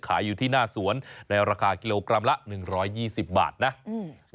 ขายอยู่ที่หน้าสวนในราคากิโลกรัมละหนึ่งร้อยยี่สิบบาทนะอืม